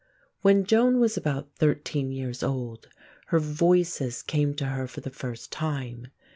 When Joan was about thirteen years old her Voices came to her for the first time.